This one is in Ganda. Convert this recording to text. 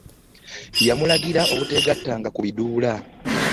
Yamulagira obutegatanga ku biduula.